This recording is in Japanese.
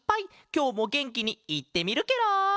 きょうもげんきにいってみるケロ！